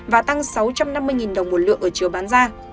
và tăng sáu trăm năm mươi đồng một lượng ở chiều bán ra